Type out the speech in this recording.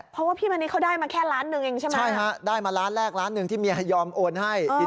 เพราะว่าพี่มณิเขาได้มาแค่ล้านหนึ่งเองใช่ไหม